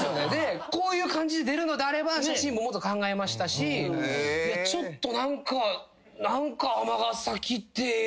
こういう感じで出るのであれば写真ももっと考えましたしちょっと何か。